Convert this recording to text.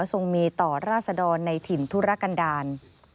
ทรงมีต่อราศดรในถิ่นธุรกันดาล